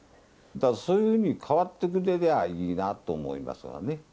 だからそういうふうに変わってくれりゃあいいなと思いますわね。